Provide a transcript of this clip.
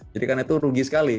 jadi kan itu rugi sekali